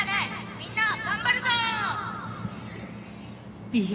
みんな頑張るぞ！」。